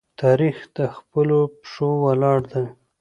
تاریخ د خپلو پښو ولاړ دی.